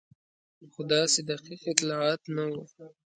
خو داسې دقیق اطلاعات نه وو.